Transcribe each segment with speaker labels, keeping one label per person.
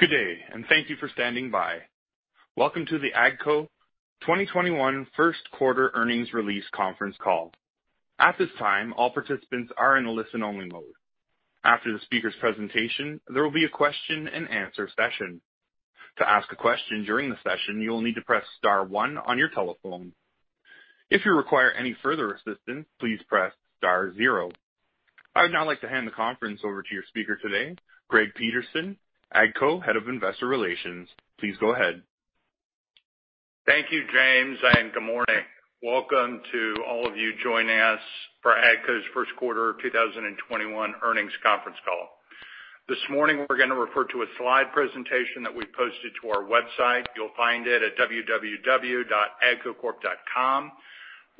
Speaker 1: Good day, and thank you for standing by. Welcome to the AGCO 2021 first quarter earnings release conference call. At this time, all participants are in a listen-only mode. After the speaker's presentation, there will be a question and answer session. I would now like to hand the conference over to your speaker today, Greg Peterson, AGCO Head of Investor Relations. Please go ahead.
Speaker 2: Thank you, James. Good morning. Welcome to all of you joining us for AGCO's first quarter 2021 earnings conference call. This morning, we're going to refer to a slide presentation that we posted to our website. You'll find it at www.agcocorp.com. We'll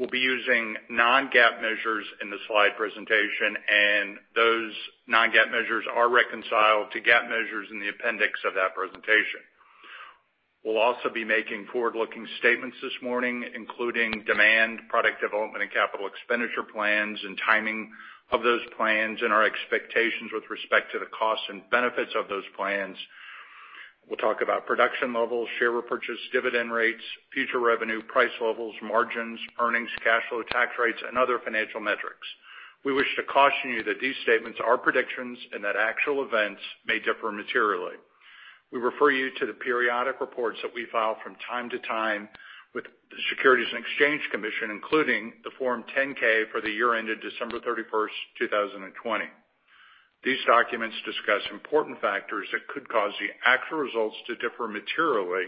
Speaker 2: be using non-GAAP measures in the slide presentation. Those non-GAAP measures are reconciled to GAAP measures in the appendix of that presentation. We'll also be making forward-looking statements this morning, including demand, product development, and capital expenditure plans and timing of those plans, and our expectations with respect to the costs and benefits of those plans. We'll talk about production levels, share repurchase, dividend rates, future revenue, price levels, margins, earnings, cash flow, tax rates, and other financial metrics. We wish to caution you that these statements are predictions and that actual events may differ materially. We refer you to the periodic reports that we file from time to time with the Securities and Exchange Commission, including the Form 10-K for the year ended December 31st, 2020. These documents discuss important factors that could cause the actual results to differ materially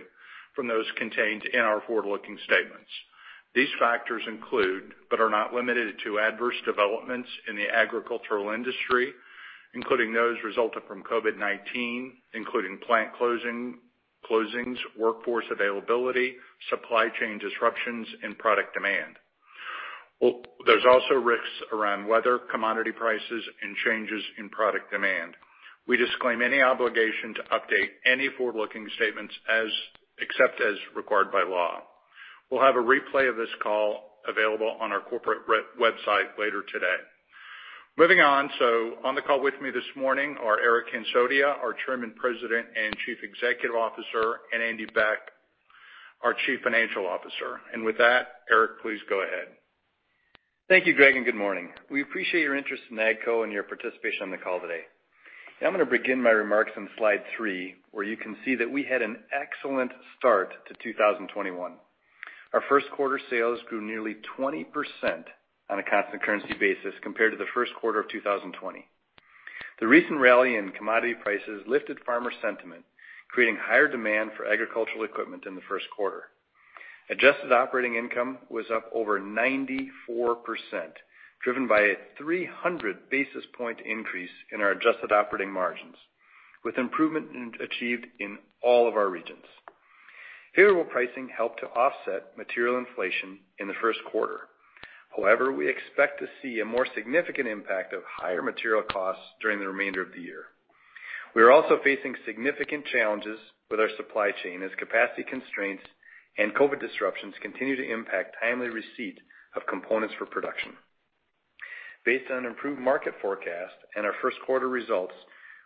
Speaker 2: from those contained in our forward-looking statements. These factors include, but are not limited to adverse developments in the agricultural industry, including those resulted from COVID-19, including plant closings, workforce availability, supply chain disruptions, and product demand. There are also risks around weather, commodity prices, and changes in product demand. We disclaim any obligation to update any forward-looking statements except as required by law. We'll have a replay of this call available on our corporate website later today. Moving on. On the call with me this morning are Eric Hansotia, our Chairman, President, and Chief Executive Officer, and Andy Beck, our Chief Financial Officer. With that, Eric, please go ahead.
Speaker 3: Thank you, Greg, and good morning. We appreciate your interest in AGCO and your participation on the call today. I'm going to begin my remarks on slide three, where you can see that we had an excellent start to 2021. Our first quarter sales grew nearly 20% on a constant currency basis compared to the first quarter of 2020. The recent rally in commodity prices lifted farmer sentiment, creating higher demand for agricultural equipment in the first quarter. Adjusted operating income was up over 94%, driven by a 300 basis point increase in our adjusted operating margins, with improvement achieved in all of our regions. Favorable pricing helped to offset material inflation in the first quarter. However, we expect to see a more significant impact of higher material costs during the remainder of the year. We are also facing significant challenges with our supply chain as capacity constraints and COVID disruptions continue to impact timely receipt of components for production. Based on improved market forecast and our first quarter results,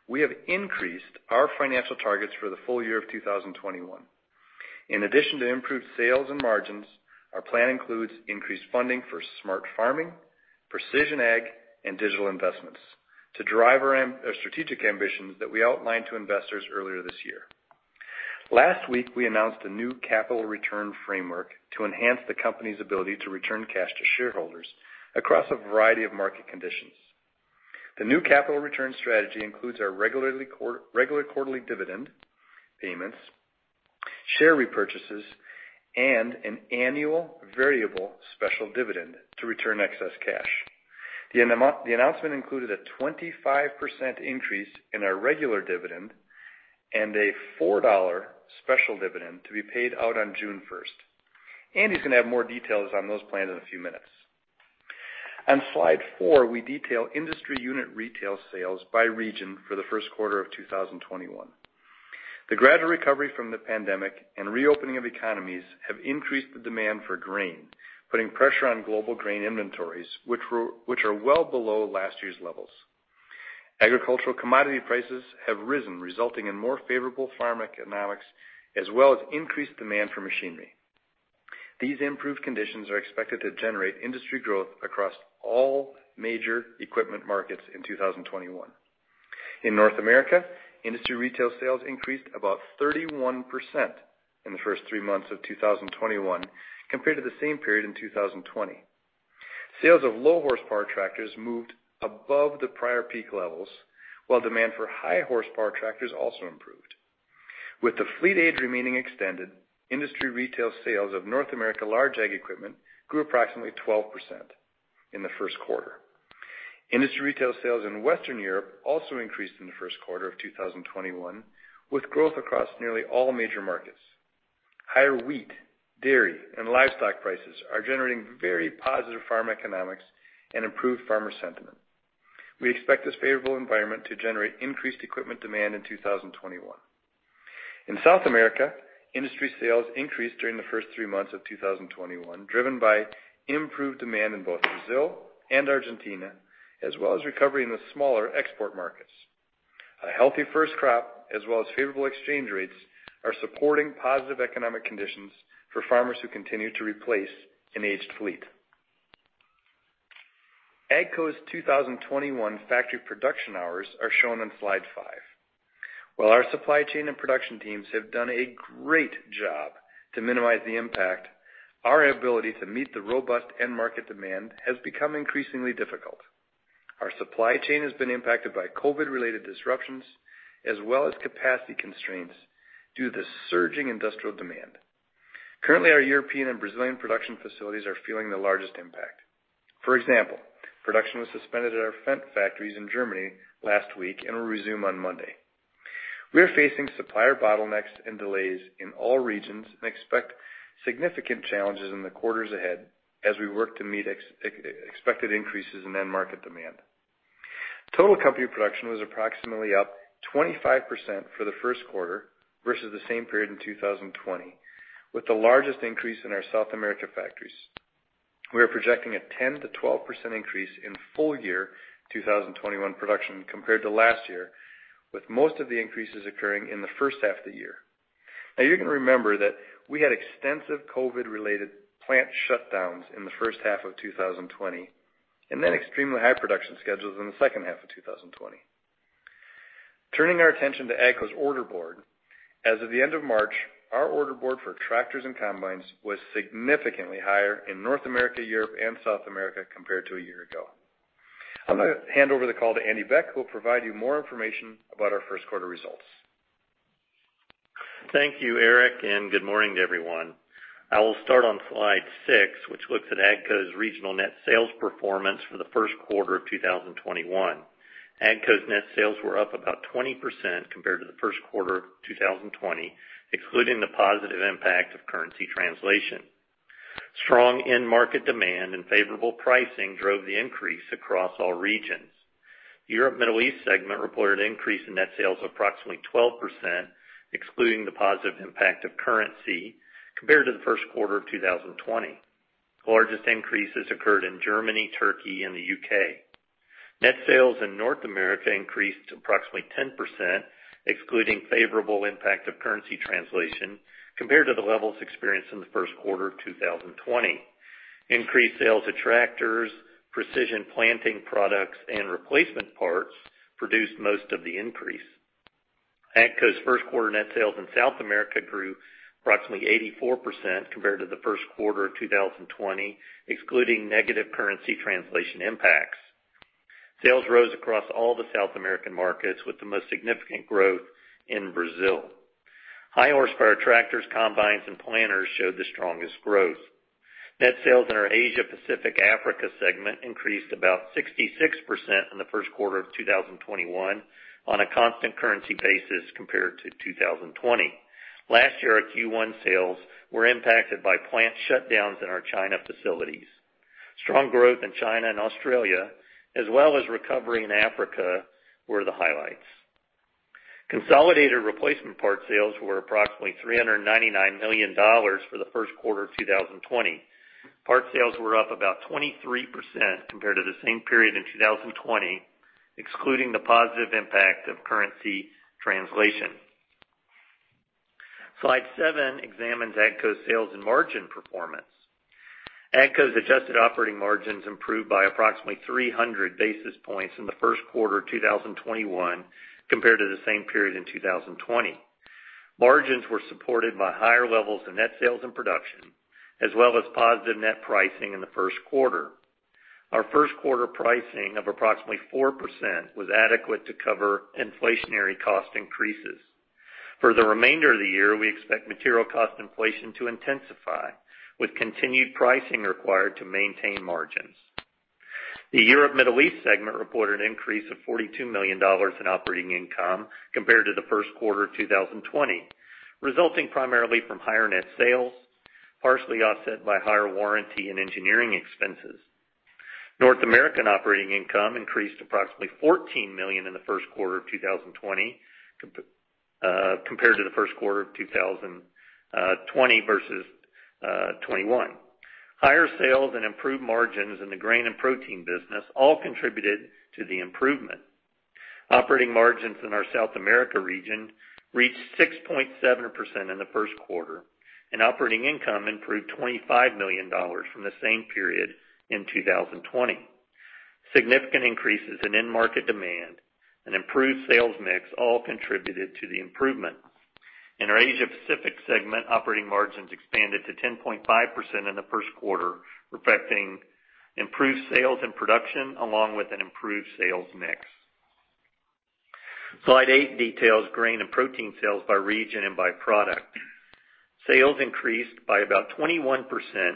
Speaker 3: we have increased our financial targets for the full year of 2021. In addition to improved sales and margins, our plan includes increased funding for smart farming, precision ag, and digital investments to drive our strategic ambitions that we outlined to investors earlier this year. Last week, we announced a new capital return framework to enhance the company's ability to return cash to shareholders across a variety of market conditions. The new capital return strategy includes our regular quarterly dividend payments, share repurchases, and an annual variable special dividend to return excess cash. The announcement included a 25% increase in our regular dividend and a $4 special dividend to be paid out on June 1st. Andy's going to have more details on those plans in a few minutes. On slide four, we detail industry unit retail sales by region for the first quarter of 2021. The gradual recovery from the pandemic and reopening of economies have increased the demand for grain, putting pressure on global grain inventories, which are well below last year's levels. Agricultural commodity prices have risen, resulting in more favorable farm economics, as well as increased demand for machinery. These improved conditions are expected to generate industry growth across all major equipment markets in 2021. In North America, industry retail sales increased about 31% in the first three months of 2021 compared to the same period in 2020. Sales of low horsepower tractors moved above the prior peak levels, while demand for high horsepower tractors also improved. With the fleet age remaining extended, industry retail sales of North America large ag equipment grew approximately 12% in the first quarter. Industry retail sales in Western Europe also increased in the first quarter of 2021, with growth across nearly all major markets. Higher wheat, dairy, and livestock prices are generating very positive farm economics and improved farmer sentiment. We expect this favorable environment to generate increased equipment demand in 2021. In South America, industry sales increased during the first three months of 2021, driven by improved demand in both Brazil and Argentina, as well as recovery in the smaller export markets. A healthy first crop, as well as favorable exchange rates, are supporting positive economic conditions for farmers who continue to replace an aged fleet. AGCO's 2021 factory production hours are shown on slide five. While our supply chain and production teams have done a great job to minimize the impact, our ability to meet the robust end market demand has become increasingly difficult. Our supply chain has been impacted by COVID-related disruptions, as well as capacity constraints due to the surging industrial demand. Currently, our European and Brazilian production facilities are feeling the largest impact. For example, production was suspended at our Fendt factories in Germany last week and will resume on Monday. We are facing supplier bottlenecks and delays in all regions and expect significant challenges in the quarters ahead as we work to meet expected increases in end market demand. Total company production was approximately up 25% for the first quarter versus the same period in 2020, with the largest increase in our South America factories. We are projecting a 10%-12% increase in full year 2021 production compared to last year, with most of the increases occurring in the first half of the year. You're going to remember that we had extensive COVID-related plant shutdowns in the first half of 2020, and then extremely high production schedules in the second half of 2020. Turning our attention to AGCO's order board. As of the end of March, our order board for tractors and combines was significantly higher in North America, Europe, and South America compared to a year ago. I'm going to hand over the call to Andy Beck, who will provide you more information about our first quarter results.
Speaker 4: Thank you, Eric, and good morning to everyone. I will start on slide six, which looks at AGCO's regional net sales performance for the first quarter of 2021. AGCO's net sales were up about 20% compared to the first quarter of 2020, excluding the positive impact of currency translation. Strong end market demand and favorable pricing drove the increase across all regions. Europe, Middle East segment reported increase in net sales approximately 12%, excluding the positive impact of currency, compared to the first quarter of 2020. The largest increases occurred in Germany, Turkey, and the U.K. Net sales in North America increased approximately 10%, excluding favorable impact of currency translation, compared to the levels experienced in the first quarter of 2020. Increased sales of tractors, Precision Planting products, and replacement parts produced most of the increase. AGCO's first quarter net sales in South America grew approximately 84% compared to the first quarter of 2020, excluding negative currency translation impacts. Sales rose across all the South American markets, with the most significant growth in Brazil. High horsepower tractors, combines, and planters showed the strongest growth. Net sales in our Asia Pacific Africa segment increased about 66% in the first quarter of 2021 on a constant currency basis compared to 2020. Last year, our Q1 sales were impacted by plant shutdowns in our China facilities. Strong growth in China and Australia, as well as recovery in Africa, were the highlights. Consolidated replacement part sales were approximately $399 million for the first quarter of 2020. Part sales were up about 23% compared to the same period in 2020, excluding the positive impact of currency translation. Slide seven examines AGCO's sales and margin performance. AGCO's adjusted operating margins improved by approximately 300 basis points in the first quarter of 2021 compared to the same period in 2020. Margins were supported by higher levels of net sales and production, as well as positive net pricing in the first quarter. Our first quarter pricing of approximately 4% was adequate to cover inflationary cost increases. For the remainder of the year, we expect material cost inflation to intensify, with continued pricing required to maintain margins. The Europe Middle East segment reported an increase of $42 million in operating income compared to the first quarter of 2020, resulting primarily from higher net sales, partially offset by higher warranty and engineering expenses. North American operating income increased approximately $14 million in the first quarter of 2021 compared to the first quarter of 2020 versus 2021. Higher sales and improved margins in the Grain & Protein business all contributed to the improvement. Operating margins in our South America Region reached 6.7% in the first quarter, and operating income improved $25 million from the same period in 2020. Significant increases in end market demand and improved sales mix all contributed to the improvement. In our Asia Pacific Segment, operating margins expanded to 10.5% in the first quarter, reflecting improved sales and production, along with an improved sales mix. Slide eight details Grain & Protein sales by region and by product. Sales increased by about 21%,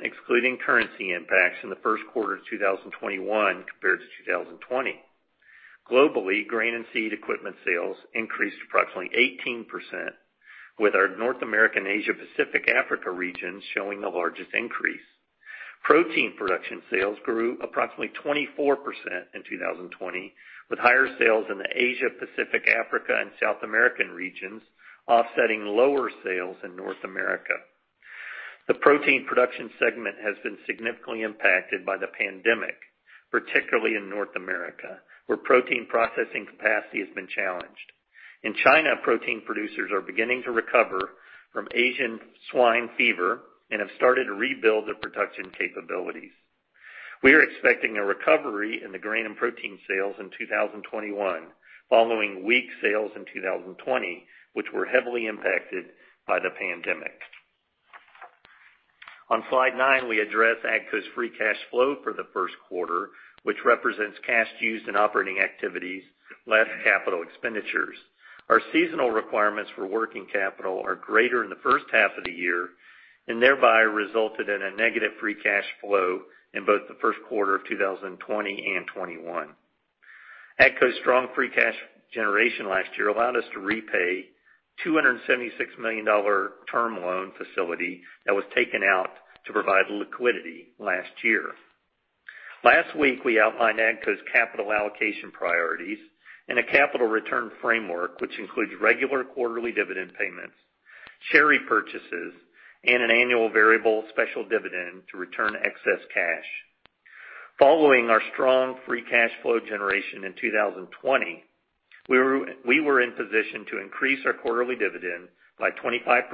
Speaker 4: excluding currency impacts in the first quarter of 2021 compared to 2020. Globally, grain and seed equipment sales increased approximately 18%, with our North American Asia Pacific Africa region showing the largest increase. Protein Production sales grew approximately 24% in 2020, with higher sales in the Asia, Pacific, Africa, and South American regions offsetting lower sales in North America. The Protein Production segment has been significantly impacted by the pandemic, particularly in North America, where protein processing capacity has been challenged. In China, protein producers are beginning to recover from Asian swine fever and have started to rebuild their production capabilities. We are expecting a recovery in the Grain & Protein sales in 2021, following weak sales in 2020, which were heavily impacted by the pandemic. On slide nine, we address AGCO's free cash flow for the first quarter, which represents cash used in operating activities less capital expenditures. Our seasonal requirements for working capital are greater in the first half of the year, thereby resulted in a negative free cash flow in both the first quarter of 2020 and 2021. AGCO's strong free cash generation last year allowed us to repay $276 million term loan facility that was taken out to provide liquidity last year. Last week, we outlined AGCO's capital allocation priorities in a capital return framework, which includes regular quarterly dividend payments, share repurchases, and an annual variable special dividend to return excess cash. Following our strong free cash flow generation in 2020, we were in position to increase our quarterly dividend by 25%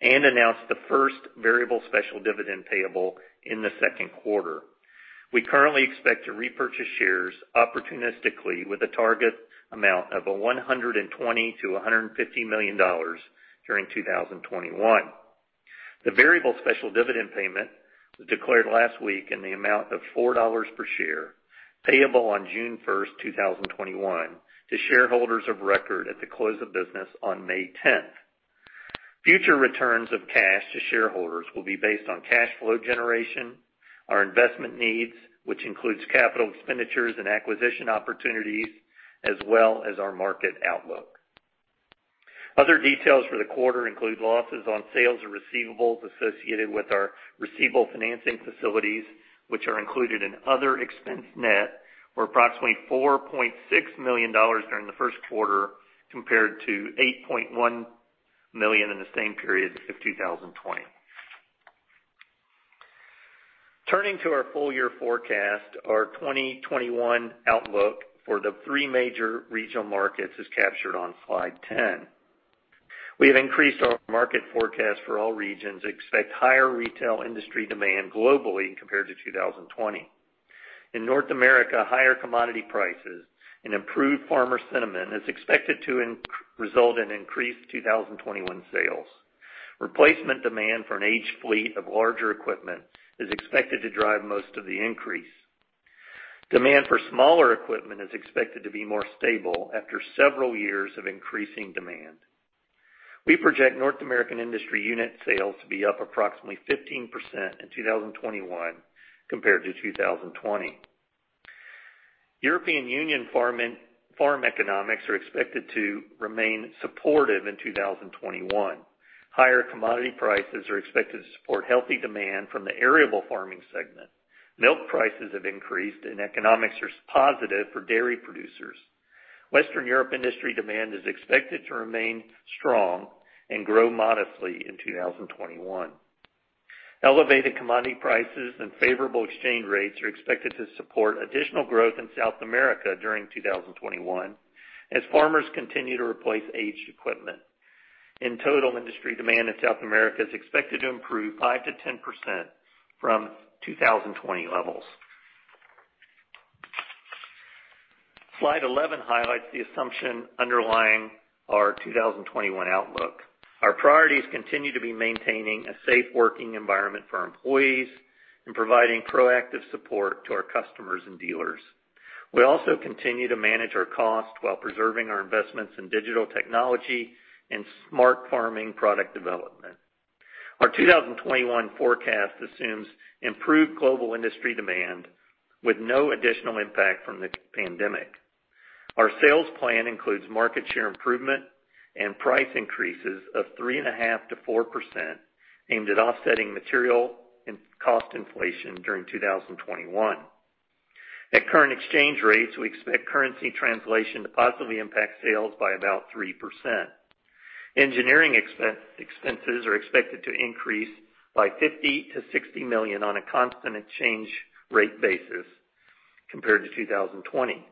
Speaker 4: and announce the first variable special dividend payable in the second quarter. We currently expect to repurchase shares opportunistically with a target amount of $120 million-$150 million during 2021. The variable special dividend payment was declared last week in the amount of $4 per share, payable on June 1st, 2021 to shareholders of record at the close of business on May 10th. Future returns of cash to shareholders will be based on cash flow generation, our investment needs, which includes capital expenditures and acquisition opportunities, as well as our market outlook. Other details for the quarter include losses on sales of receivables associated with our receivable financing facilities, which are included in other expense net, were approximately $4.6 million during the first quarter, compared to $8.1 million in the same period of 2020. Our full year forecast, our 2021 outlook for the three major regional markets is captured on slide 10. We have increased our market forecast for all regions, expect higher retail industry demand globally compared to 2020. In North America, higher commodity prices and improved farmer sentiment is expected to result in increased 2021 sales. Replacement demand for an aged fleet of larger equipment is expected to drive most of the increase. Demand for smaller equipment is expected to be more stable after several years of increasing demand. We project North American industry unit sales to be up approximately 15% in 2021 compared to 2020. European Union farm economics are expected to remain supportive in 2021. Higher commodity prices are expected to support healthy demand from the arable farming segment. Milk prices have increased, and economics are positive for dairy producers. Western Europe industry demand is expected to remain strong and grow modestly in 2021. Elevated commodity prices and favorable exchange rates are expected to support additional growth in South America during 2021, as farmers continue to replace aged equipment. In total, industry demand in South America is expected to improve 5%-10% from 2020 levels. Slide 11 highlights the assumption underlying our 2021 outlook. Our priorities continue to be maintaining a safe working environment for our employees and providing proactive support to our customers and dealers. We also continue to manage our cost while preserving our investments in digital technology and smart farming product development. Our 2021 forecast assumes improved global industry demand with no additional impact from the pandemic. Our sales plan includes market share improvement and price increases of 3.5%-4%, aimed at offsetting material and cost inflation during 2021. At current exchange rates, we expect currency translation to positively impact sales by about 3%. Engineering expenses are expected to increase by $50 million-$60 million on a constant exchange rate basis compared to 2020.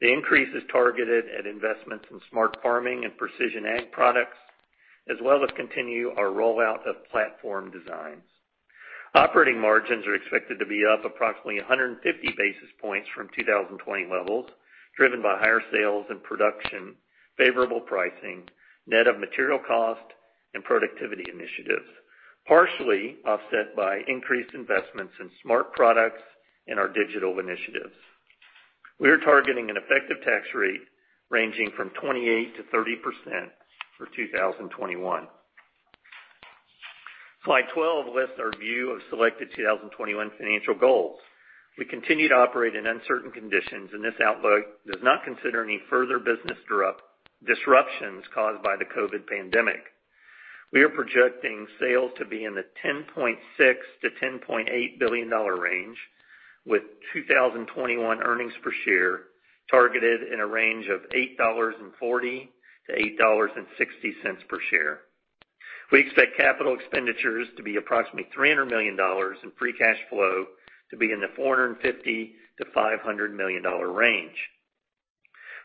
Speaker 4: The increase is targeted at investments in smart farming and precision ag products, as well as continue our rollout of platform designs. Operating margins are expected to be up approximately 150 basis points from 2020 levels, driven by higher sales and production, favorable pricing, net of material cost, and productivity initiatives, partially offset by increased investments in smart products and our digital initiatives. We are targeting an effective tax rate ranging from 28%-30% for 2021. Slide 12 lists our view of selected 2021 financial goals. We continue to operate in uncertain conditions, and this outlook does not consider any further business disruptions caused by the COVID pandemic. We are projecting sales to be in the $10.6 billion-$10.8 billion range, with 2021 earnings per share targeted in a range of $8.40-$8.60 per share. We expect capital expenditures to be approximately $300 million, and free cash flow to be in the $450 million-$500 million range.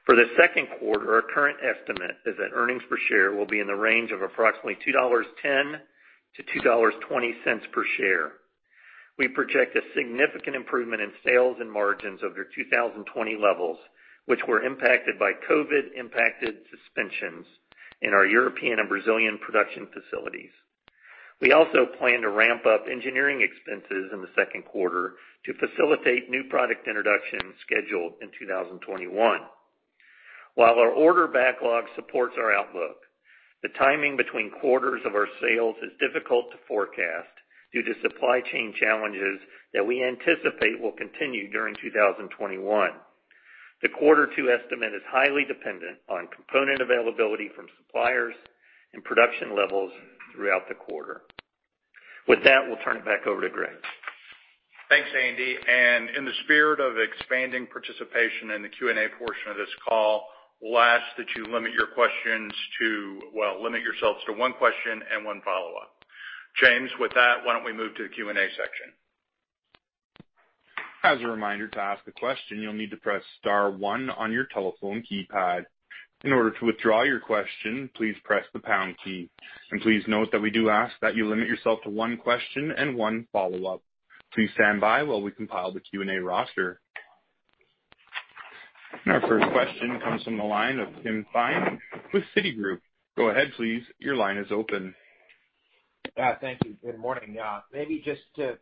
Speaker 4: For the second quarter, our current estimate is that earnings per share will be in the range of approximately $2.10-$2.20 per share. We project a significant improvement in sales and margins over 2020 levels, which were impacted by COVID-impacted suspensions in our European and Brazilian production facilities. We also plan to ramp up engineering expenses in the second quarter to facilitate new product introduction scheduled in 2021. While our order backlog supports our outlook, the timing between quarters of our sales is difficult to forecast due to supply chain challenges that we anticipate will continue during 2021. The quarter two estimate is highly dependent on component availability from suppliers and production levels throughout the quarter. With that, we'll turn it back over to Greg.
Speaker 2: Thanks, Andy. In the spirit of expanding participation in the Q&A portion of this call, we'll ask that you limit yourselves to one question and one follow-up. Jamie, with that, why don't we move to the Q&A section?
Speaker 1: As a reminder, to ask a question, you'll need to press star one on your telephone keypad. In order to withdraw your question, please press the pound key. Please note that we do ask that you limit yourself to one question and one follow-up. Please stand by while we compile the Q&A roster. Our first question comes from the line of Timothy Thein with Citigroup. Go ahead, please. Your line is open.
Speaker 5: Yeah. Thank you. Good morning. Maybe just to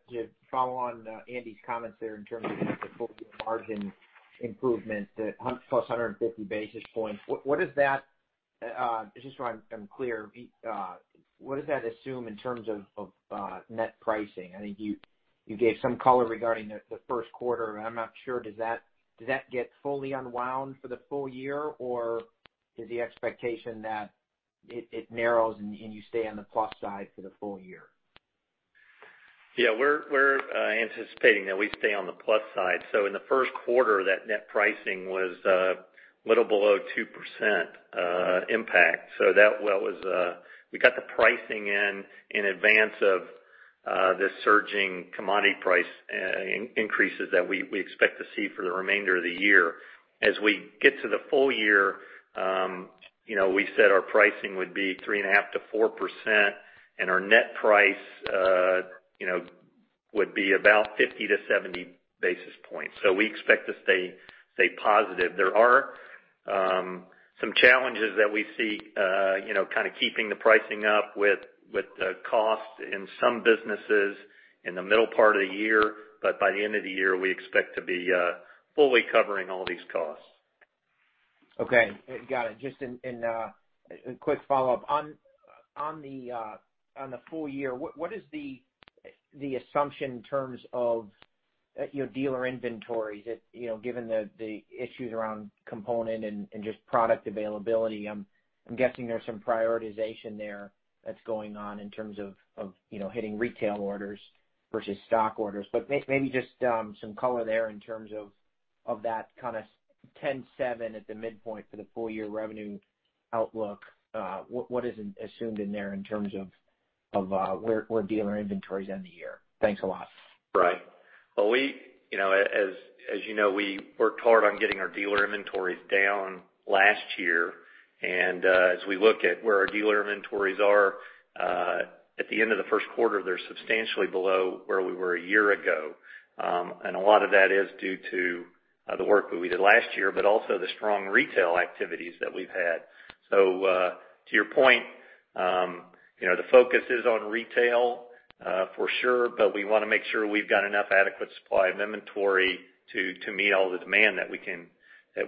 Speaker 5: follow on Andy's comments there in terms of the full year margin improvement, the plus 150 basis points. Just so I'm clear, what does that assume in terms of net pricing? I think you gave some color regarding the first quarter. I'm not sure. Does that get fully unwound for the full year, or is the expectation that it narrows and you stay on the plus side for the full year?
Speaker 4: Yeah. We're anticipating that we stay on the plus side. In the first quarter, that net pricing was a little below 2% impact. We got the pricing in in advance of the surging commodity price increases that we expect to see for the remainder of the year. As we get to the full year, we said our pricing would be 3.5%-4%, and our net price would be about 50-70 basis points. We expect to stay positive. There are some challenges that we see keeping the pricing up with the cost in some businesses in the middle part of the year. By the end of the year, we expect to be fully covering all these costs.
Speaker 5: Okay. Got it. Just a quick follow-up. On the full year, what is the assumption in terms of your dealer inventories? Given the issues around component and just product availability, I'm guessing there's some prioritization there that's going on in terms of hitting retail orders versus stock orders. Maybe just some color there in terms of that kind of 10-7 at the midpoint for the full year revenue outlook. What is assumed in there in terms of where dealer inventories end the year? Thanks a lot.
Speaker 4: Right. As you know, we worked hard on getting our dealer inventories down last year. As we look at where our dealer inventories are at the end of the first quarter, they're substantially below where we were a year ago. A lot of that is due to the work that we did last year, but also the strong retail activities that we've had. To your point, the focus is on retail for sure, but we want to make sure we've got enough adequate supply of inventory to meet all the demand that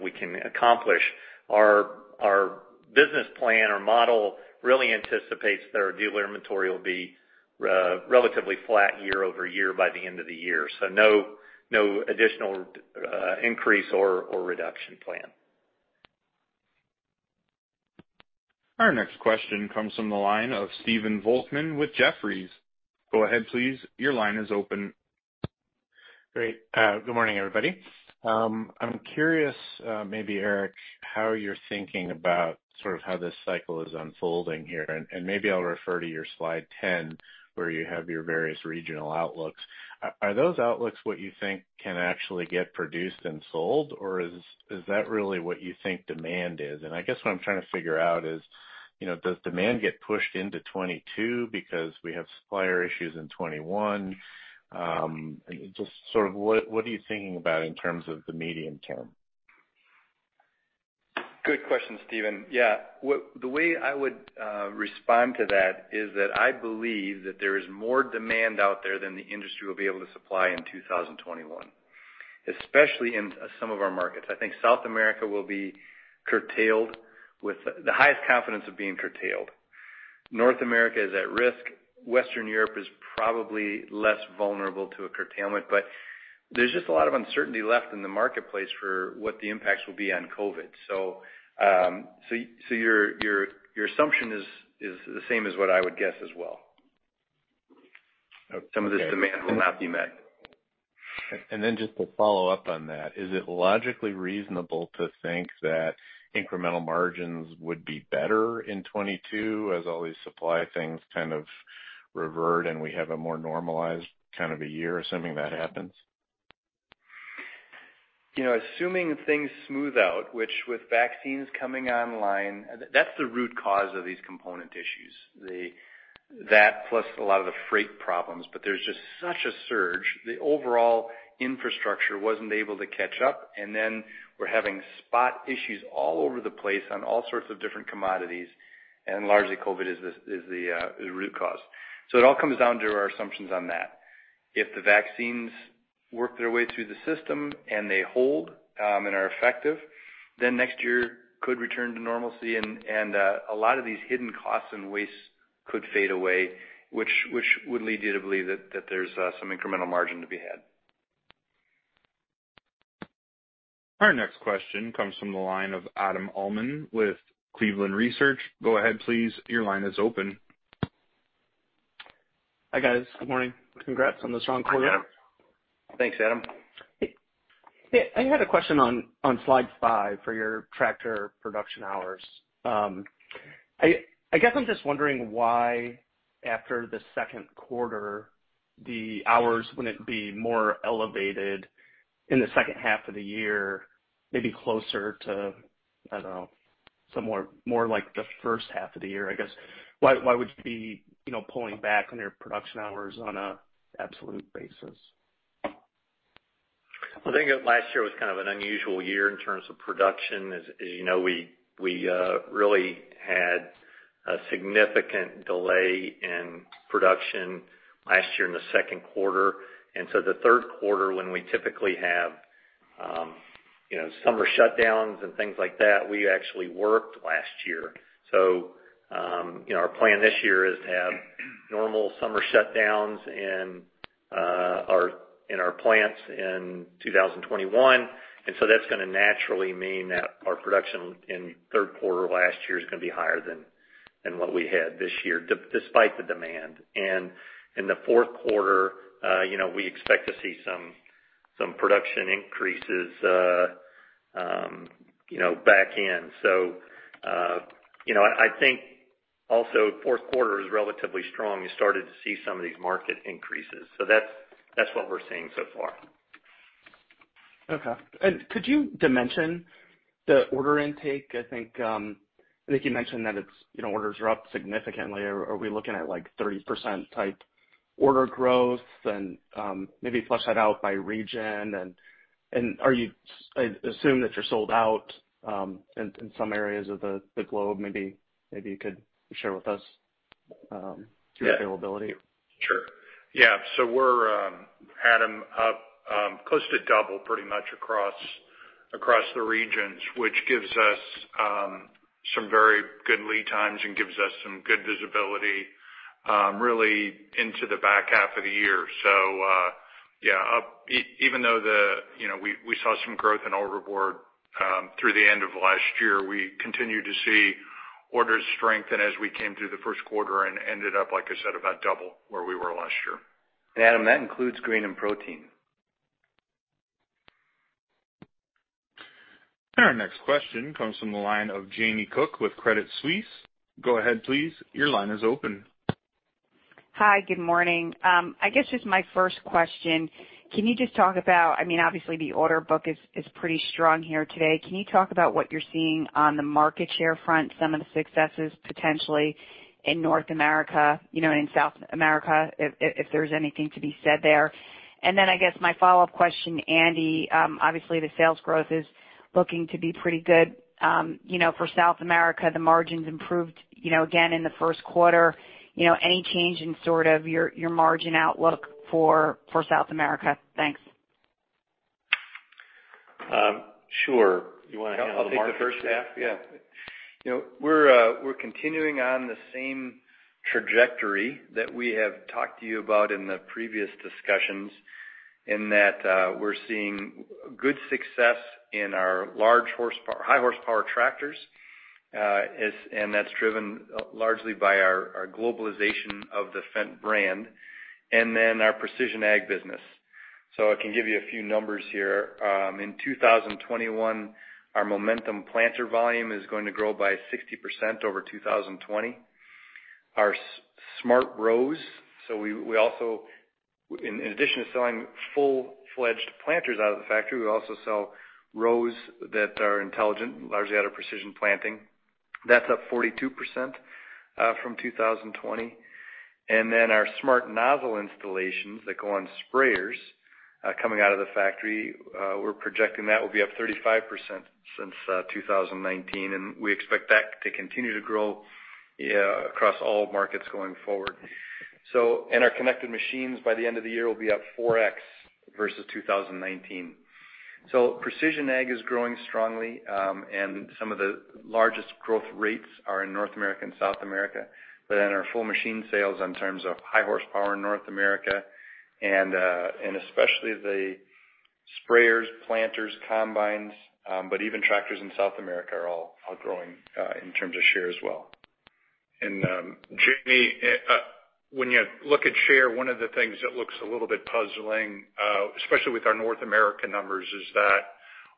Speaker 4: we can accomplish. Our business plan or model really anticipates that our dealer inventory will be relatively flat year-over-year by the end of the year. No additional increase or reduction plan.
Speaker 1: Our next question comes from the line of Stephen Volkmann with Jefferies.
Speaker 6: Great. Good morning, everybody. I'm curious, maybe Eric, how you're thinking about how this cycle is unfolding here, and maybe I'll refer to your slide 10 where you have your various regional outlooks. Are those outlooks what you think can actually get produced and sold, or is that really what you think demand is? I guess what I'm trying to figure out is does demand get pushed into 2022 because we have supplier issues in 2021? Just what are you thinking about in terms of the medium term?
Speaker 3: Good question, Stephen. Yeah. The way I would respond to that is that I believe that there is more demand out there than the industry will be able to supply in 2021, especially in some of our markets. I think South America will be curtailed with the highest confidence of being curtailed. North America is at risk. Western Europe is probably less vulnerable to a curtailment, but there's just a lot of uncertainty left in the marketplace for what the impacts will be on COVID. Your assumption is the same as what I would guess as well.
Speaker 6: Okay.
Speaker 3: Some of this demand will not be met.
Speaker 6: Just to follow up on that, is it logically reasonable to think that incremental margins would be better in 2022 as all these supply things kind of revert and we have a more normalized kind of a year, assuming that happens?
Speaker 3: Assuming things smooth out, which with vaccines coming online, that's the root cause of these component issues. That plus a lot of the freight problems. There's just such a surge. The overall infrastructure wasn't able to catch up, and then we're having spot issues all over the place on all sorts of different commodities, and largely COVID is the root cause. It all comes down to our assumptions on that. If the vaccines work their way through the system and they hold and are effective, then next year could return to normalcy and a lot of these hidden costs and wastes could fade away, which would lead you to believe that there's some incremental margin to be had.
Speaker 1: Our next question comes from the line of Adam Uhlman with Cleveland Research. Go ahead please, your line is open.
Speaker 7: Hi, guys. Good morning. Congrats on the strong quarter.
Speaker 3: Hi, Adam.
Speaker 4: Thanks, Adam.
Speaker 7: Hey. I had a question on Slide five for your tractor production hours. I guess I'm just wondering why, after the second quarter, the hours wouldn't be more elevated in the second half of the year, maybe closer to, I don't know, more like the first half of the year, I guess. Why would you be pulling back on your production hours on an absolute basis?
Speaker 4: Well, I think last year was kind of an unusual year in terms of production. As you know, we really had a significant delay in production last year in the second quarter. The third quarter, when we typically have summer shutdowns and things like that, we actually worked last year. Our plan this year is to have normal summer shutdowns in our plants in 2021. That's going to naturally mean that our production in third quarter last year is going to be higher than what we had this year, despite the demand. In the fourth quarter, we expect to see some production increases back in. I think also fourth quarter is relatively strong. You started to see some of these market increases. That's what we're seeing so far.
Speaker 7: Okay. Could you dimension the order intake? I think you mentioned that orders are up significantly. Are we looking at like 30%-type order growth? Maybe flush that out by region. I assume that you're sold out in some areas of the globe. Maybe you could share with us your availability.
Speaker 4: Sure. Yeah. Adam, up close to double pretty much across the regions, which gives us some very good lead times and gives us some good visibility really into the back half of the year. Yeah, up. Even though we saw some growth in order board through the end of last year, we continued to see orders strengthen as we came through the first quarter and ended up, like I said, about double where we were last year.
Speaker 3: Adam, that includes Grain & Protein.
Speaker 1: Our next question comes from the line of Jamie Cook with Credit Suisse. Go ahead, please.
Speaker 8: Hi, good morning. I guess just my first question, can you just talk about, obviously the order book is pretty strong here today. Can you talk about what you're seeing on the market share front, some of the successes potentially in North America, and in South America, if there's anything to be said there? I guess my follow-up question, Andy, obviously the sales growth is looking to be pretty good. For South America, the margins improved again in the first quarter. Any change in sort of your margin outlook for South America? Thanks.
Speaker 4: Sure. You want to handle the market. I'll take the first half.
Speaker 3: Yeah. We're continuing on the same trajectory that we have talked to you about in the previous discussions in that we're seeing good success in our high horsepower tractors. That's driven largely by our globalization of the Fendt brand and then our precision ag business. I can give you a few numbers here. In 2021, our Momentum Planter volume is going to grow by 60% over 2020. Our smart rows, in addition to selling full-fledged planters out of the factory, we also sell rows that are intelligent, largely out of Precision Planting. That's up 42% from 2020. Then our smart nozzle installations that go on sprayers coming out of the factory, we're projecting that will be up 35% since 2019. We expect that to continue to grow across all markets going forward. Our connected machines by the end of the year will be up 4x versus 2019. Precision ag is growing strongly, and some of the largest growth rates are in North America and South America. Our full machine sales in terms of high horsepower in North America and especially the sprayers, planters, combines, but even tractors in South America are all growing in terms of share as well.
Speaker 4: Jamie, when you look at share, one of the things that looks a little bit puzzling, especially with our North America numbers, is that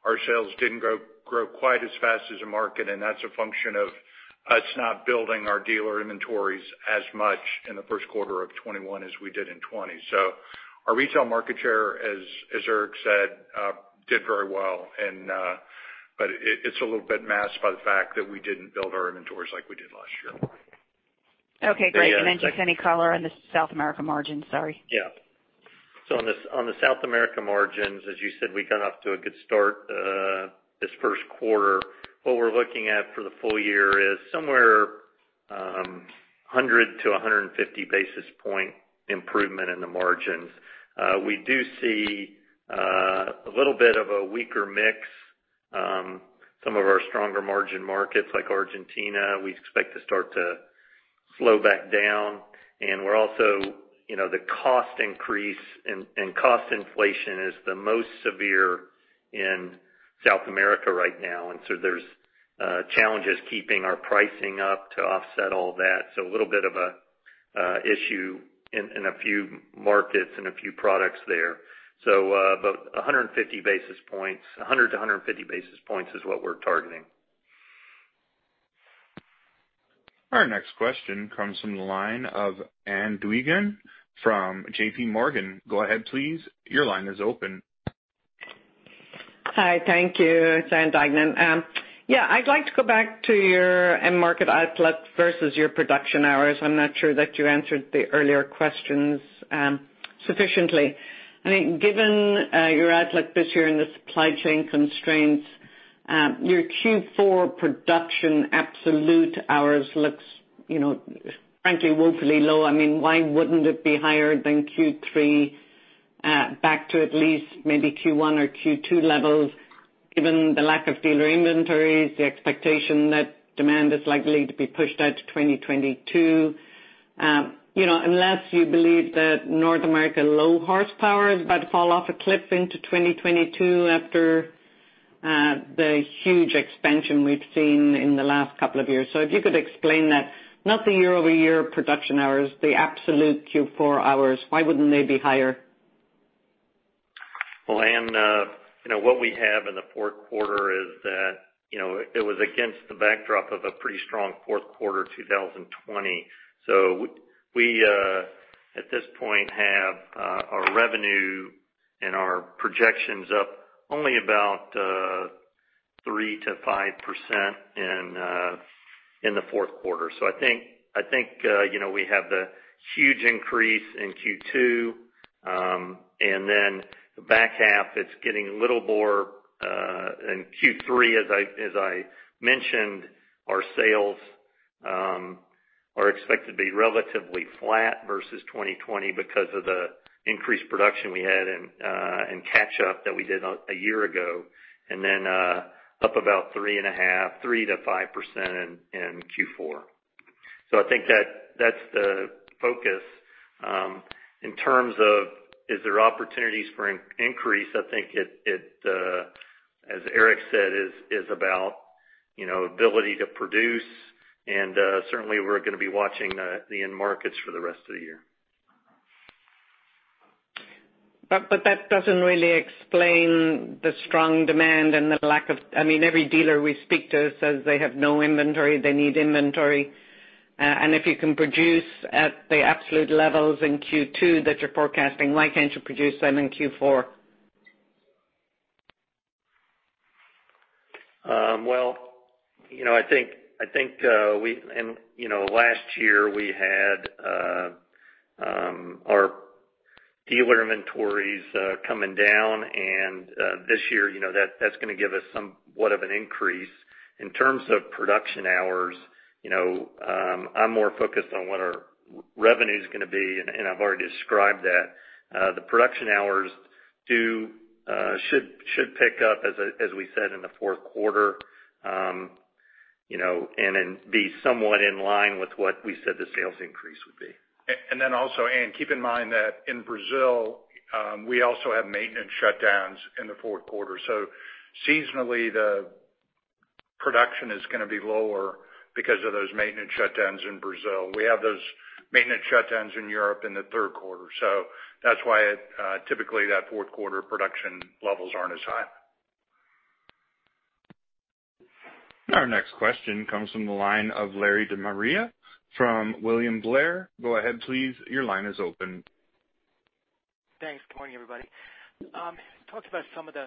Speaker 4: our sales didn't grow quite as fast as the market, and that's a function of us not building our dealer inventories as much in the first quarter of 2021 as we did in 2020. Our retail market share, as Eric said, did very well. It's a little bit masked by the fact that we didn't build our inventories like we did last year.
Speaker 8: Okay, great. Just any color on the South America margin, sorry?
Speaker 4: Yeah. On the South America margins, as you said, we got off to a good start this first quarter. What we're looking at for the full year is somewhere 100-150 basis point improvement in the margins. We do see a little bit of a weaker mix. Some of our stronger margin markets, like Argentina, we expect to start to slow back down. The cost increase and cost inflation is the most severe in South America right now. There's challenges keeping our pricing up to offset all that. A little bit of an issue in a few markets and a few products there. About 100-150 basis points is what we're targeting.
Speaker 1: Our next question comes from the line of Ann Duignan from JPMorgan. Go ahead, please. Your line is open.
Speaker 9: Hi, thank you. It's Ann Duignan. I'd like to go back to your end market outlets versus your production hours. I'm not sure that you answered the earlier questions sufficiently. I think given your outlet this year and the supply chain constraints, your Q4 production absolute hours looks frankly woefully low. Why wouldn't it be higher than Q3 back to at least maybe Q1 or Q2 levels, given the lack of dealer inventories, the expectation that demand is likely to be pushed out to 2022? Unless you believe that North America low horsepower is about to fall off a cliff into 2022 after the huge expansion we've seen in the last couple of years. If you could explain that, not the year-over-year production hours, the absolute Q4 hours, why wouldn't they be higher?
Speaker 4: Well, Ann, what we have in the fourth quarter is that it was against the backdrop of a pretty strong fourth quarter 2020. We, at this point, have our revenue and our projections up only about 3%-5% in the fourth quarter. I think we have the huge increase in Q2. In Q3, as I mentioned, our sales are expected to be relatively flat versus 2020 because of the increased production we had and catch up that we did a year ago, then up about 3.5%, 3%-5% in Q4. I think that's the focus. In terms of is there opportunities for an increase, I think it, as Eric said, is about ability to produce and certainly we're going to be watching the end markets for the rest of the year.
Speaker 9: That doesn't really explain the strong demand. Every dealer we speak to says they have no inventory, they need inventory. If you can produce at the absolute levels in Q2 that you're forecasting, why can't you produce them in Q4?
Speaker 4: Well, last year we had our dealer inventories coming down. This year that's going to give us somewhat of an increase. In terms of production hours, I'm more focused on what our revenue's going to be. I've already described that. The production hours should pick up as we said in the fourth quarter. Then be somewhat in line with what we said the sales increase would be.
Speaker 3: Ann, keep in mind that in Brazil, we also have maintenance shutdowns in the fourth quarter. Seasonally, the production is going to be lower because of those maintenance shutdowns in Brazil. We have those maintenance shutdowns in Europe in the third quarter. That's why typically that fourth quarter production levels aren't as high.
Speaker 1: Our next question comes from the line of Larry De Maria from William Blair. Go ahead, please. Your line is open.
Speaker 10: Thanks. Good morning, everybody. Talked about some of the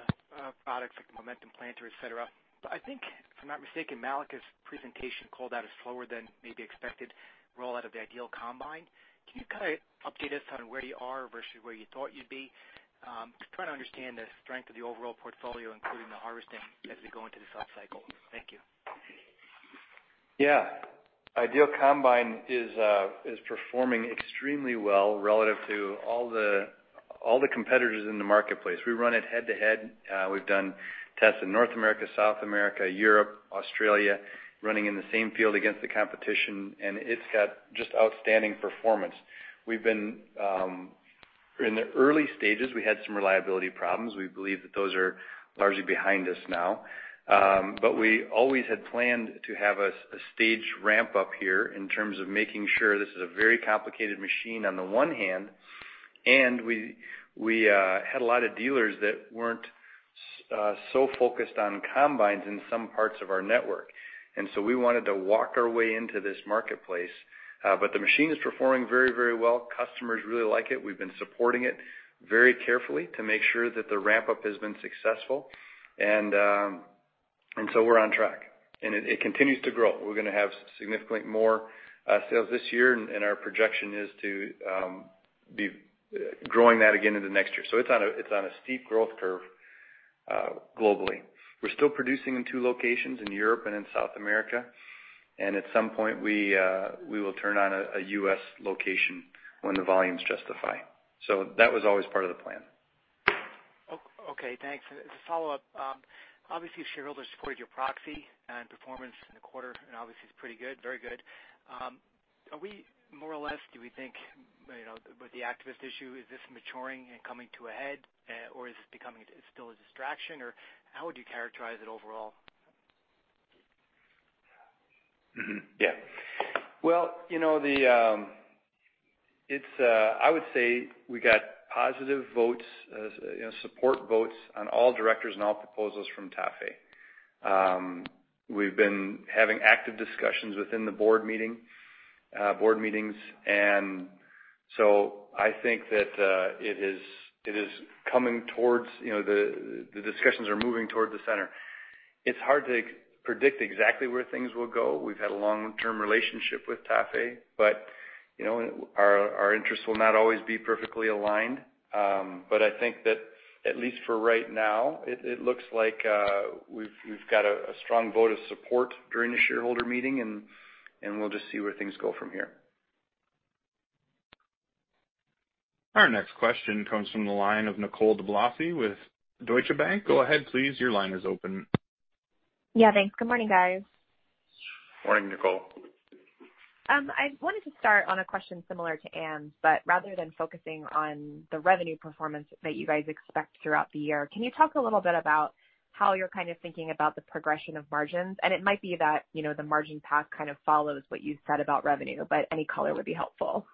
Speaker 10: products like the Momentum Planter, et cetera, but I think if I'm not mistaken, Malek's presentation called that a slower than maybe expected rollout of the IDEAL Combine. Can you kind of update us on where you are versus where you thought you'd be? I'm trying to understand the strength of the overall portfolio, including the harvesting as we go into this up cycle. Thank you.
Speaker 3: IDEAL Combine is performing extremely well relative to all the competitors in the marketplace. We run it head-to-head. We've done tests in North America, South America, Europe, Australia, running in the same field against the competition, and it's got just outstanding performance. In the early stages, we had some reliability problems. We believe that those are largely behind us now. We always had planned to have a staged ramp-up here in terms of making sure this is a very complicated machine on the one hand, and we had a lot of dealers that weren't so focused on combines in some parts of our network. We wanted to walk our way into this marketplace. The machine is performing very well. Customers really like it. We've been supporting it very carefully to make sure that the ramp-up has been successful. We're on track, and it continues to grow. We're going to have significantly more sales this year, and our projection is to be growing that again into next year. It's on a steep growth curve globally. We're still producing in two locations, in Europe and in South America. At some point, we will turn on a U.S. location when the volumes justify. That was always part of the plan.
Speaker 10: Okay, thanks. As a follow-up, obviously shareholders supported your proxy and performance in the quarter, and obviously it's pretty good. Very good. More or less, do we think with the activist issue, is this maturing and coming to a head, or is this becoming still a distraction, or how would you characterize it overall?
Speaker 3: Well, I would say we got positive votes, support votes on all directors and all proposals from TAFE. We've been having active discussions within the board meetings. I think that the discussions are moving towards the center. It's hard to predict exactly where things will go. We've had a long-term relationship with TAFE. Our interests will not always be perfectly aligned. I think that at least for right now, it looks like we've got a strong vote of support during the shareholder meeting, and we'll just see where things go from here.
Speaker 1: Our next question comes from the line of Nicole DeBlase with Deutsche Bank.
Speaker 11: Yeah, thanks. Good morning, guys.
Speaker 4: Morning, Nicole.
Speaker 11: I wanted to start on a question similar to Ann's, rather than focusing on the revenue performance that you guys expect throughout the year, can you talk a little bit about how you're kind of thinking about the progression of margins? It might be that the margin path kind of follows what you've said about revenue, but any color would be helpful.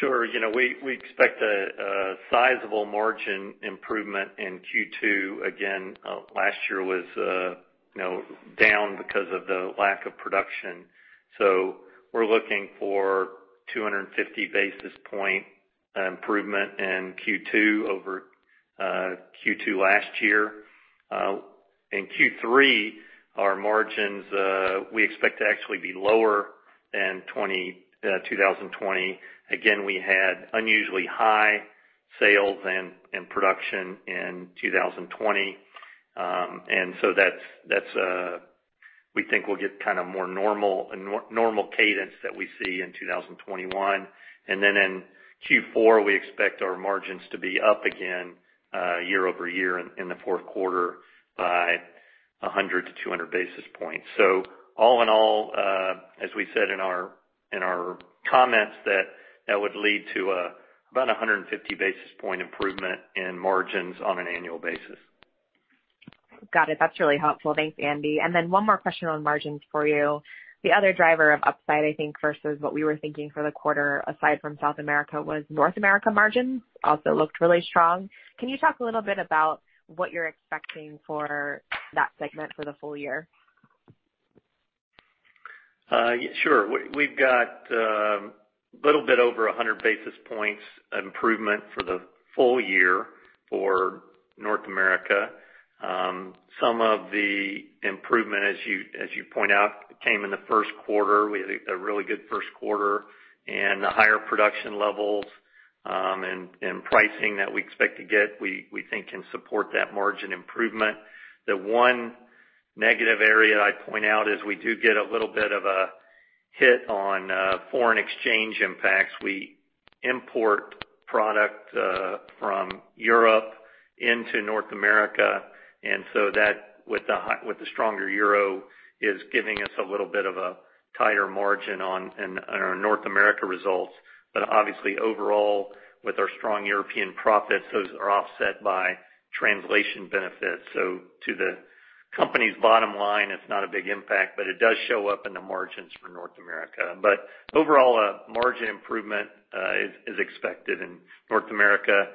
Speaker 4: Sure. We expect a sizable margin improvement in Q2. Again, last year was down because of the lack of production. We're looking for 250 basis point improvement in Q2 over Q2 last year. In Q3, our margins we expect to actually be lower than 2020. Again, we had unusually high sales and production in 2020. We think we'll get kind of a more normal cadence that we see in 2021. In Q4, we expect our margins to be up again year-over-year in the fourth quarter by 100 to 200 basis points. All in all, as we said in our comments, that would lead to about 150 basis point improvement in margins on an annual basis.
Speaker 11: Got it. That's really helpful. Thanks, Andy. Then one more question on margins for you. The other driver of upside, I think, versus what we were thinking for the quarter, aside from South America, was North America margins also looked really strong. Can you talk a little bit about what you're expecting for that segment for the full year?
Speaker 4: Sure. We've got a little bit over 100 basis points improvement for the full year for North America. Some of the improvement, as you point out, came in the first quarter. We had a really good first quarter and the higher production levels, and pricing that we expect to get we think can support that margin improvement. The one negative area I'd point out is we do get a little bit of a hit on foreign exchange impacts. We import product from Europe into North America, and so that with the stronger euro, is giving us a little bit of a tighter margin on our North America results. Obviously overall, with our strong European profits, those are offset by translation benefits. To the company's bottom line, it's not a big impact, but it does show up in the margins for North America. Overall, margin improvement is expected in North America.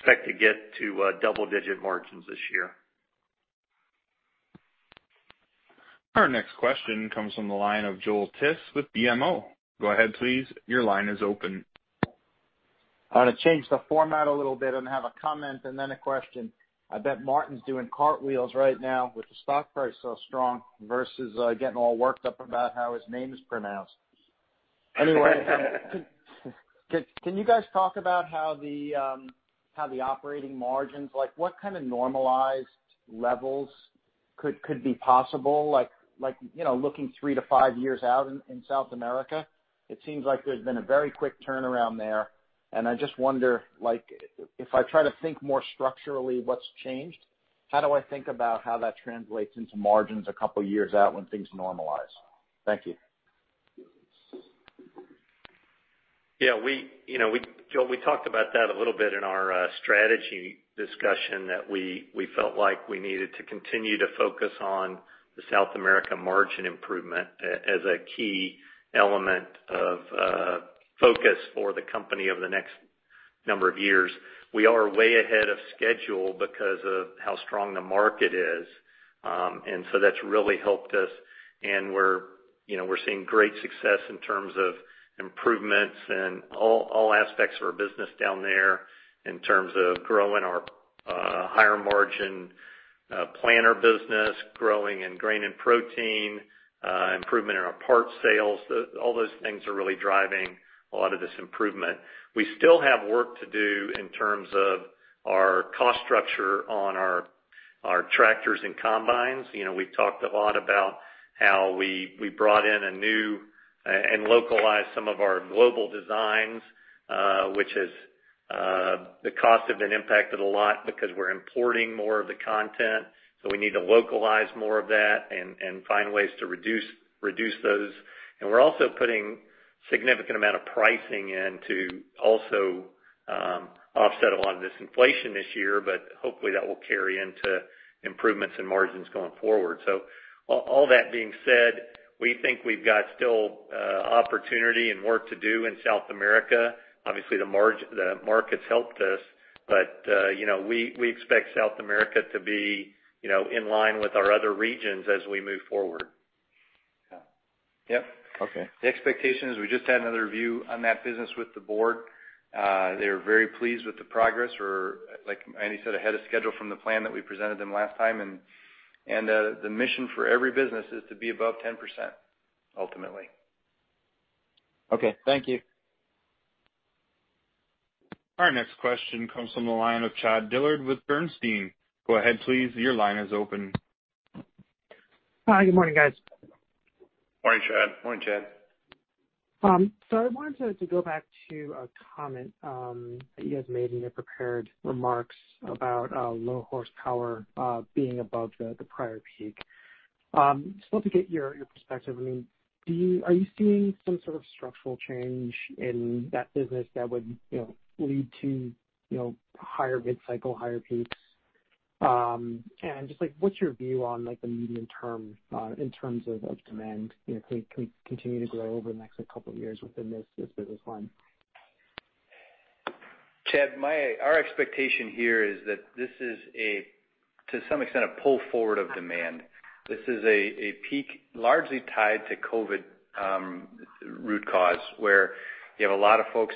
Speaker 4: Expect to get to double-digit margins this year.
Speaker 1: Our next question comes from the line of Joel Tiss with BMO.
Speaker 12: I'm going to change the format a little bit and have a comment and then a question. I bet Martin's doing cartwheels right now with the stock price so strong versus getting all worked up about how his name is pronounced. Can you guys talk about how the operating margins, what kind of normalized levels could be possible looking three to five years out in South America? It seems like there's been a very quick turnaround there, and I just wonder, if I try to think more structurally what's changed, how do I think about how that translates into margins a couple years out when things normalize? Thank you.
Speaker 4: Joel, we talked about that a little bit in our strategy discussion, that we felt like we needed to continue to focus on the South America margin improvement as a key element of focus for the company over the next number of years. We are way ahead of schedule because of how strong the market is. That's really helped us, and we're seeing great success in terms of improvements in all aspects of our business down there, in terms of growing our higher margin planter business, growing in Grain & Protein, improvement in our parts sales. All those things are really driving a lot of this improvement. We still have work to do in terms of our cost structure on our tractors and combines. We've talked a lot about how we brought in a new and localized some of our global designs. The costs have been impacted a lot because we're importing more of the content. We need to localize more of that and find ways to reduce those. We're also putting significant amount of pricing in to also offset a lot of this inflation this year. Hopefully, that will carry into improvements in margins going forward. All that being said, we think we've got still opportunity and work to do in South America. Obviously, the markets helped us. We expect South America to be in line with our other regions as we move forward.
Speaker 3: Yeah.
Speaker 12: Okay.
Speaker 3: The expectation is we just had another review on that business with the board. They were very pleased with the progress. We're, like Andy said, ahead of schedule from the plan that we presented them last time. The mission for every business is to be above 10%, ultimately.
Speaker 12: Okay. Thank you.
Speaker 1: Our next question comes from the line of Chad Dillard with Bernstein.
Speaker 13: Hi, good morning, guys.
Speaker 4: Morning, Chad.
Speaker 3: Morning, Chad.
Speaker 13: I wanted to go back to a comment that you guys made in your prepared remarks about low horsepower being above the prior peak. Just wanted to get your perspective. Are you seeing some sort of structural change in that business that would lead to higher mid-cycle, higher peaks? What's your view on the medium term in terms of demand? Can we continue to grow over the next couple of years within this business line?
Speaker 3: Chad, our expectation here is that this is to some extent a pull forward of demand. This is a peak largely tied to COVID root cause, where you have a lot of folks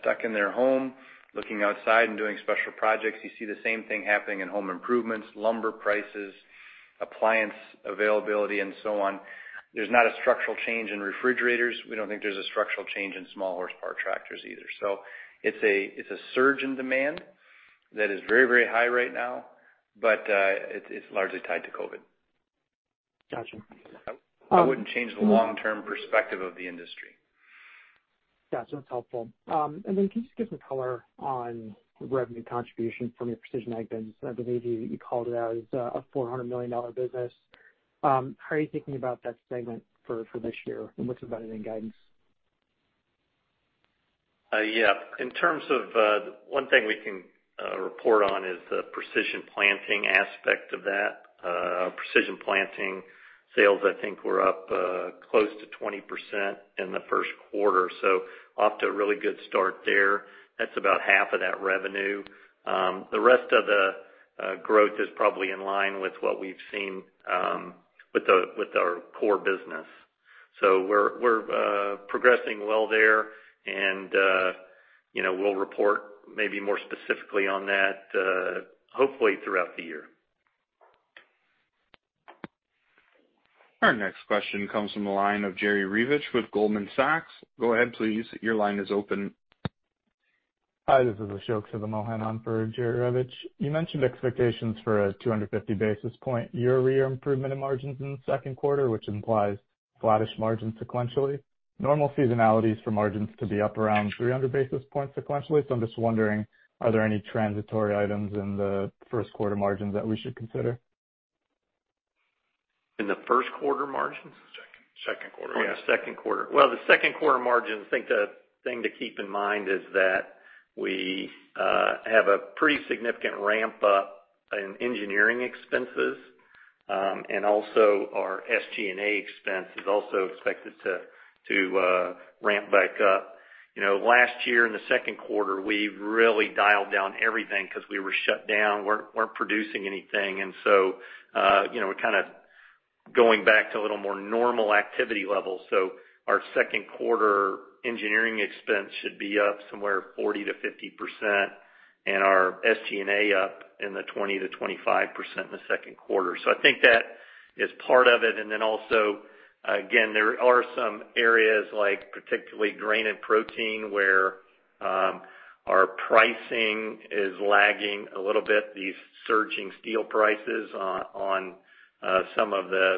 Speaker 3: stuck in their home, looking outside and doing special projects. You see the same thing happening in home improvements, lumber prices, appliance availability, and so on. There's not a structural change in refrigerators. We don't think there's a structural change in small horsepower tractors either. It's a surge in demand that is very high right now, but it's largely tied to COVID.
Speaker 13: Got you.
Speaker 3: I wouldn't change the long-term perspective of the industry.
Speaker 13: Got you. That's helpful. Can you just give some color on the revenue contribution from your precision ag business? I believe you called it out as a $400 million business. How are you thinking about that segment for this year, and what's embedded in guidance?
Speaker 3: Yeah. One thing we can report on is the Precision Planting aspect of that. Precision Planting sales, I think, were up close to 20% in the first quarter. Off to a really good start there. That's about half of that revenue. The rest of the growth is probably in line with what we've seen with our core business. We're progressing well there and we'll report maybe more specifically on that, hopefully throughout the year.
Speaker 1: Our next question comes from the line of Jerry Revich with Goldman Sachs. Go ahead, please. Your line is open.
Speaker 14: Hi, this is Ashok Sivamohan on for Jerry Revich. You mentioned expectations for a 250 basis points year-over-year improvement in margins in the second quarter, which implies flattish margins sequentially. Normal seasonality is for margins to be up around 300 basis points sequentially. I'm just wondering, are there any transitory items in the first quarter margins that we should consider?
Speaker 4: In the first quarter margins?
Speaker 3: Second quarter.
Speaker 14: Yeah, second quarter.
Speaker 4: The second quarter margins, I think the thing to keep in mind is that we have a pretty significant ramp-up in engineering expenses. Our SG&A expense is also expected to ramp back up. Last year in the second quarter, we really dialed down everything because we were shut down. Weren't producing anything. We're kind of going back to a little more normal activity level. Our second quarter engineering expense should be up somewhere 40%-50%. Our SG&A up in the 20%-25% in the second quarter. I think that is part of it. Again, there are some areas like particularly Grain & Protein, where our pricing is lagging a little bit, these surging steel prices on some of the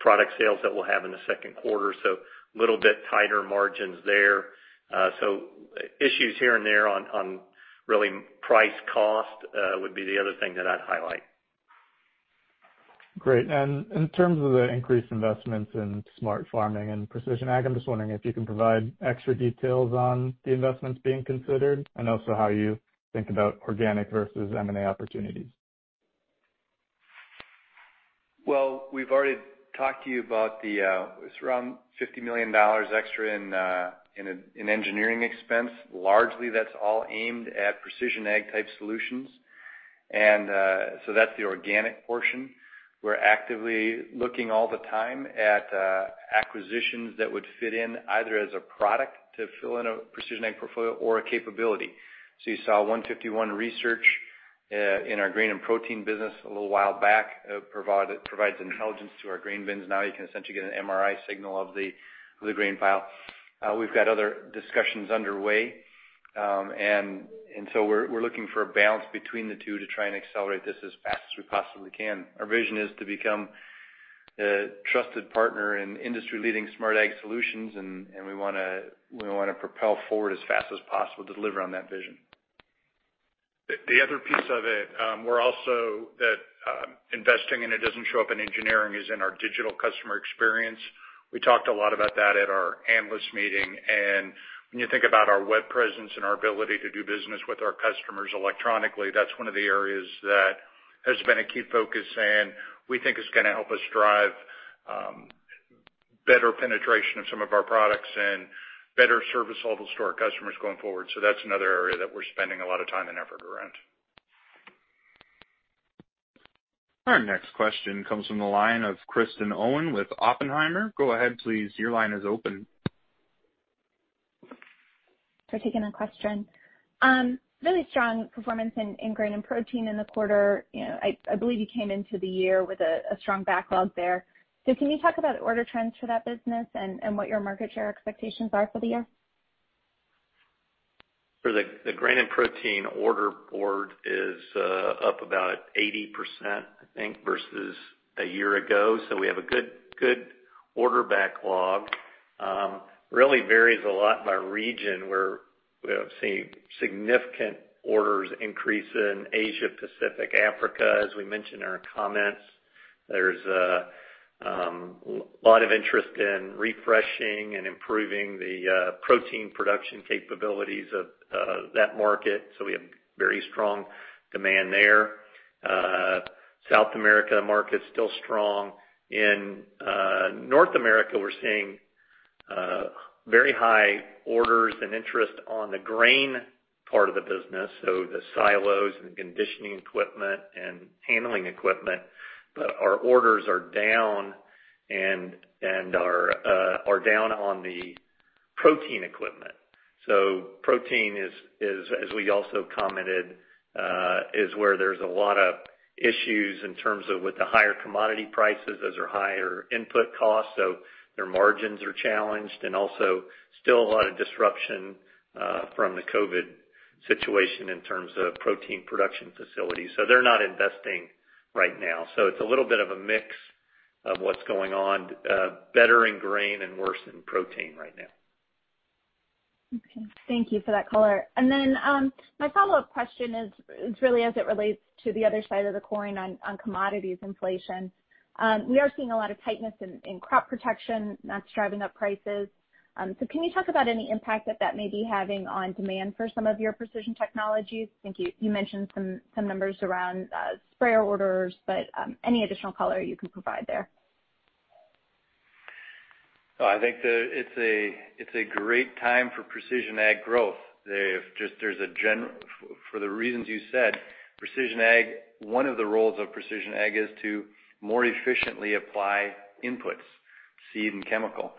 Speaker 4: product sales that we'll have in the second quarter. A little bit tighter margins there. Issues here and there on really price cost would be the other thing that I'd highlight.
Speaker 14: Great. In terms of the increased investments in smart farming and precision ag, I'm just wondering if you can provide extra details on the investments being considered and also how you think about organic versus M&A opportunities.
Speaker 3: Well, we've already talked to you about it's around $50 million extra in engineering expense. Largely, that's all aimed at precision ag type solutions. That's the organic portion. We're actively looking all the time at acquisitions that would fit in either as a product to fill in a precision ag portfolio or a capability. You saw 151 Research in our Grain & Protein business a little while back. It provides intelligence to our grain bins. Now you can essentially get an MRI signal of the grain pile. We've got other discussions underway. We're looking for a balance between the two to try and accelerate this as fast as we possibly can. Our vision is to become a trusted partner in industry-leading smart ag solutions, and we want to propel forward as fast as possible to deliver on that vision.
Speaker 4: The other piece of it, we're also investing, and it doesn't show up in engineering, is in our digital customer experience. We talked a lot about that at our analyst meeting. When you think about our web presence and our ability to do business with our customers electronically, that's one of the areas that has been a key focus, and we think is going to help us drive better penetration of some of our products and better service levels to our customers going forward. That's another area that we're spending a lot of time and effort around.
Speaker 1: Our next question comes from the line of Kristen Owen with Oppenheimer.
Speaker 15: For taking the question. Really strong performance in Grain & Protein in the quarter. I believe you came into the year with a strong backlog there. Can you talk about order trends for that business and what your market share expectations are for the year?
Speaker 4: For the Grain & Protein order board is up about 80%, I think, versus a year ago. We have a good order backlog. Really varies a lot by region, where we have seen significant orders increase in Asia Pacific, Africa, as we mentioned in our comments. There's a lot of interest in refreshing and improving the protein production capabilities of that market. We have very strong demand there. South America market's still strong. In North America, we're seeing very high orders and interest on the grain part of the business, so the silos and conditioning equipment and handling equipment. Our orders are down and are down on the protein equipment. Protein, as we also commented, is where there's a lot of issues in terms of with the higher commodity prices. Those are higher input costs, so their margins are challenged and also still a lot of disruption from the COVID situation in terms of protein production facilities. They're not investing right now. It's a little bit of a mix of what's going on. Better in grain and worse in protein right now.
Speaker 15: Okay. Thank you for that color. My follow-up question is really as it relates to the other side of the coin on commodities inflation. We are seeing a lot of tightness in crop protection that's driving up prices. Can you talk about any impact that that may be having on demand for some of your precision technologies? I think you mentioned some numbers around sprayer orders, but any additional color you can provide there?
Speaker 3: No, I think it's a great time for precision ag growth. For the reasons you said, one of the roles of precision ag is to more efficiently apply inputs, seed, and chemical.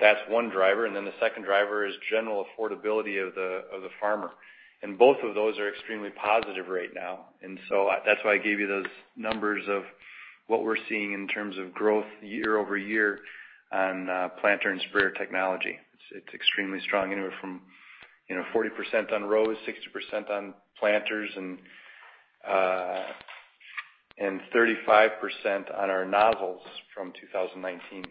Speaker 3: That's one driver. Then the second driver is general affordability of the farmer. Both of those are extremely positive right now. That's why I gave you those numbers of what we're seeing in terms of growth year-over-year on planter and sprayer technology. It's extremely strong, anywhere from 40% on rows, 60% on planters, and 35% on our nozzles from 2019.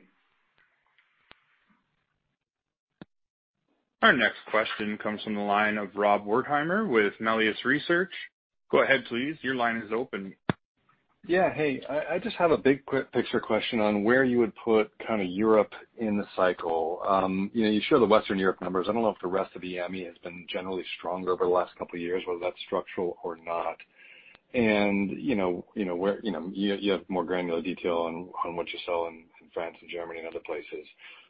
Speaker 1: Our next question comes from the line of Rob Wertheimer with Melius Research.
Speaker 16: Yeah. Hey. I just have a big picture question on where you would put Europe in the cycle. You show the Western Europe numbers. I don't know if the rest of EAME has been generally stronger over the last couple of years, whether that's structural or not. You have more granular detail on what you sell in France and Germany and other places.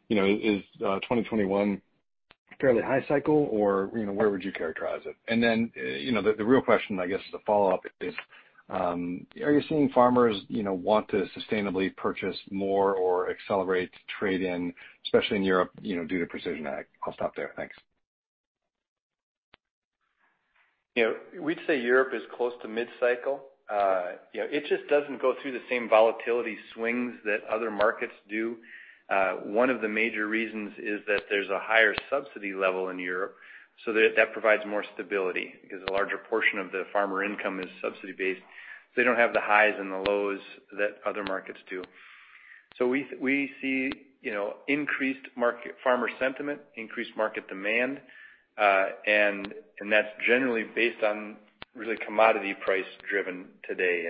Speaker 16: Is 2021 fairly high cycle or where would you characterize it? The real question, I guess, as a follow-up is, are you seeing farmers want to sustainably purchase more or accelerate trade-in, especially in Europe, due to precision ag? I'll stop there. Thanks.
Speaker 3: We'd say Europe is close to mid-cycle. It just doesn't go through the same volatility swings that other markets do. One of the major reasons is that there's a higher subsidy level in Europe, so that provides more stability because a larger portion of the farmer income is subsidy-based. They don't have the highs and the lows that other markets do. We see increased farmer sentiment, increased market demand, and that's generally based on really commodity price driven today.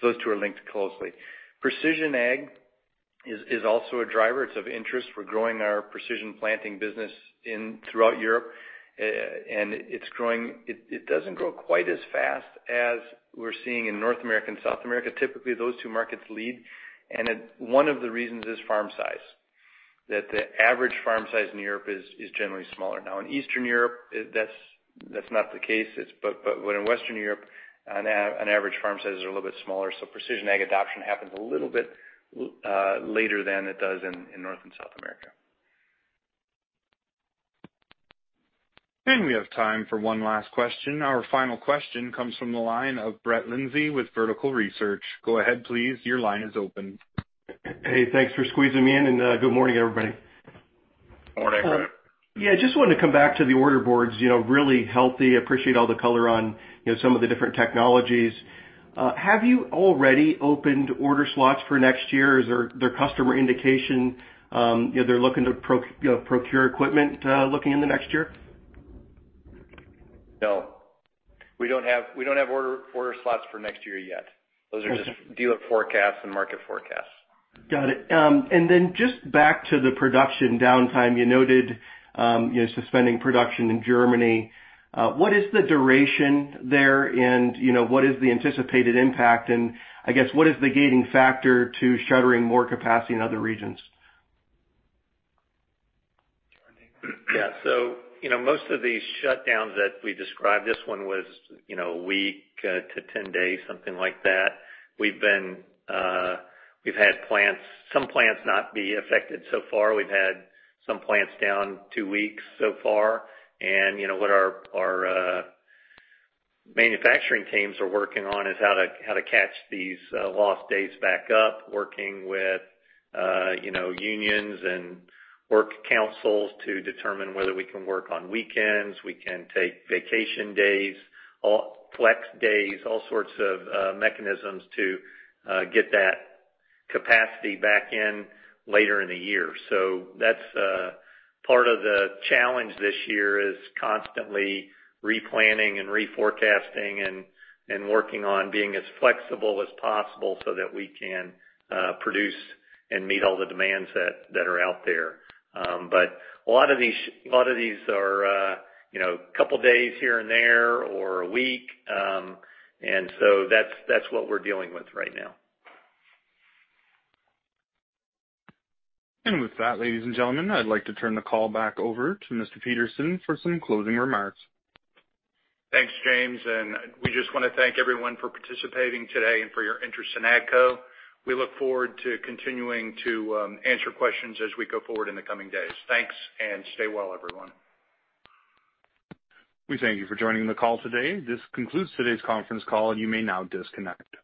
Speaker 3: Those two are linked closely. Precision ag is also a driver. It's of interest. We're growing our Precision Planting business throughout Europe, and it doesn't grow quite as fast as we're seeing in North America and South America. Typically, those two markets lead, and one of the reasons is farm size. That the average farm size in Europe is generally smaller. In Eastern Europe, that's not the case. In Western Europe, an average farm size is a little bit smaller, so precision ag adoption happens a little bit later than it does in North and South America.
Speaker 1: We have time for one last question. Our final question comes from the line of Brett Linzey with Vertical Research.
Speaker 17: Hey, thanks for squeezing me in, and good morning, everybody.
Speaker 4: Morning.
Speaker 17: Yeah, just wanted to come back to the order boards. Really healthy. Appreciate all the color on some of the different technologies. Have you already opened order slots for next year? Is there customer indication they're looking to procure equipment looking in the next year?
Speaker 3: No. We don't have order slots for next year yet. Those are just dealer forecasts and market forecasts.
Speaker 17: Got it. Just back to the production downtime. You noted suspending production in Germany. What is the duration there and what is the anticipated impact? I guess, what is the gating factor to shuttering more capacity in other regions?
Speaker 3: Yeah. Most of these shutdowns that we described, this one was a week to 10 days, something like that. We've had some plants not be affected so far. We've had some plants down two weeks so far. What our manufacturing teams are working on is how to catch these lost days back up, working with unions and work councils to determine whether we can work on weekends, we can take vacation days or flex days, all sorts of mechanisms to get that capacity back in later in the year. That's part of the challenge this year is constantly replanning and reforecasting and working on being as flexible as possible so that we can produce and meet all the demands that are out there. A lot of these are a couple of days here and there or a week. That's what we're dealing with right now.
Speaker 1: With that, ladies and gentlemen, I'd like to turn the call back over to Mr. Peterson for some closing remarks.
Speaker 2: Thanks, James, we just want to thank everyone for participating today and for your interest in AGCO. We look forward to continuing to answer questions as we go forward in the coming days. Thanks, and stay well, everyone.
Speaker 1: We thank you for joining the call today. This concludes today's conference call, and you may now disconnect.